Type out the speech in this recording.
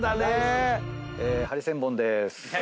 ハリセンボンでーす。